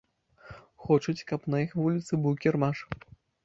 Хочуць, каб на іх вуліцы быў кірмаш.